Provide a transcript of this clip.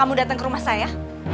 kamu datang ke rumah saya